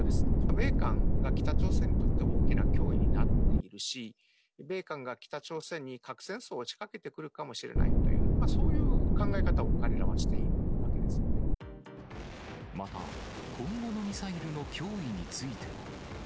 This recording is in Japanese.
米韓が北朝鮮にとって大きな脅威になっているし、米韓が北朝鮮に核戦争を仕掛けてくるかもしれないという、そういう考え方を彼らまた、今後のミサイルの脅威については。